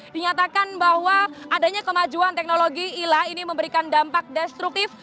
dinyatakan bahwa adanya kemajuan teknologi ila ini memberikan dampak destruktif